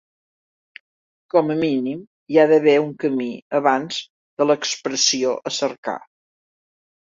Com a mínim hi ha d'haver un camí abans de l'expressió a cercar.